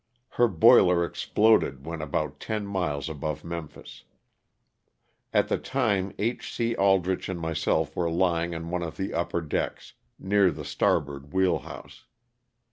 Her boiler exploded when about ten miles above Memphis. At the time H. C. Aldrich and myself were lying on one of the upper decks, near the starboard wheel house.